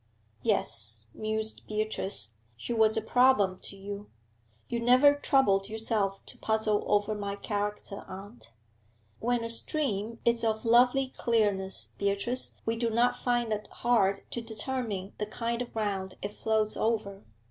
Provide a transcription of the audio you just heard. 'Yes,' mused Beatrice, 'she was a problem to you. You never troubled yourself to puzzle over my character, aunt.' 'When a stream is of lovely clearness, Beatrice, we do not find it hard to determine the kind of ground it flows over.'